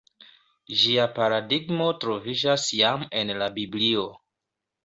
Ĝia paradigmo troviĝas jam en la Biblio.